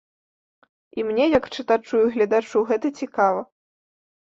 І мне як чытачу і гледачу гэта цікава.